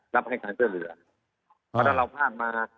รับให้การช่วยเหลือเพราะถ้าเราพลาดมา